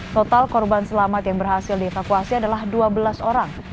total korban selamat yang berhasil dievakuasi adalah dua belas orang